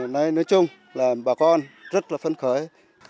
nói chung là bà con rất là phấn khởi